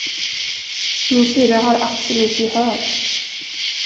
Min syrra har absolut gehör.